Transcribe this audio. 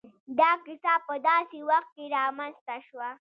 دا کيسه په داسې وخت کې را منځ ته شوه.